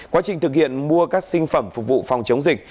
quá trình thực hiện mua các sinh phẩm phục vụ phòng chống dịch